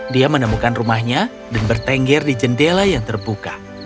dia menemukan rumahnya dan bertengger di jendela yang terbuka